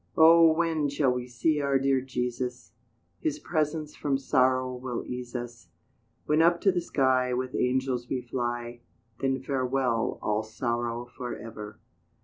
"Oh! when shall we see our dear Jesus? His presence from sorrow will ease us, When up to the sky With angels we fly Then farewell all sorrow for ever!